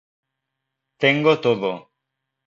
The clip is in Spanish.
Tengo todo.